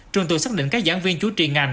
trường tù xác định các giảng viên chủ trì ngành